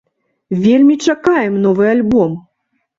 Вельмі чакаем новы альбом!